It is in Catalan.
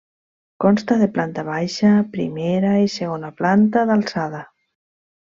Consta de planta baixa, primera i segona planta d'alçada.